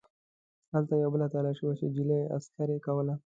هلته یوه بله تلاشي وه چې نجلۍ عسکرې کوله.